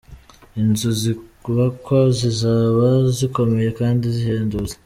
Inzu zizubakwa zizaba zikomeye kandi zihendutse.